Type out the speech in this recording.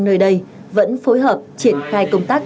nơi đây vẫn phối hợp triển khai công tác